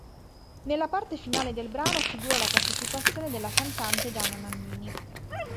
Nella parte finale del brano figura la partecipazione della cantante Gianna Nannini.